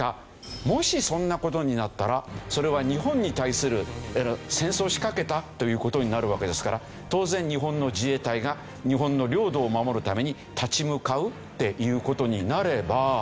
もしそんな事になったらそれは日本に対する戦争を仕掛けたという事になるわけですから当然日本の自衛隊が日本の領土を守るために立ち向かうっていう事になれば。